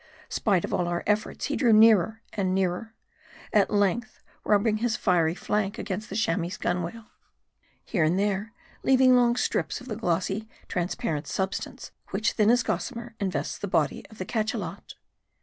Spite of all our efforts, he drew nearer and nearer ; at length rubbing his fiery flank against the Chamois' gunwale, here and there leaving long strips of the glossy transparent substance which thin as gossamer invests the body of the Cachalot.